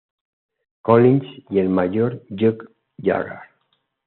Collins y el Mayor Chuck Yeager.